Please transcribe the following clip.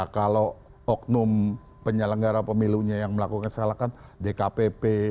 kalau oknum penyelenggara pemilunya yang melakukan kesalahan dkpp